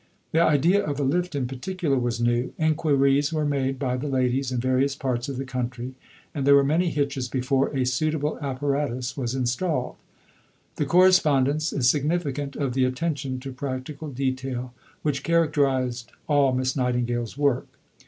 The idea of a lift, in particular, was new; inquiries were made by the ladies in various parts of the country, and there were many hitches before a suitable apparatus was installed. The correspondence is significant of the attention to practical detail which characterized all Miss Nightingale's work.